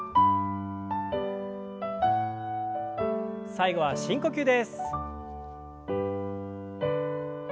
最後は深呼吸です。